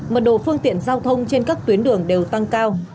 mật độ phương tiện giao thông trên các tuyến đường đều tăng cao